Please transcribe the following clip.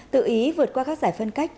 tự ý vượt qua các giải phân cách